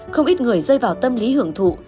không ít người rơi vào tâm lý hưởng thụ